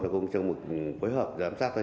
nó cũng trong một cơ hợp giám sát thôi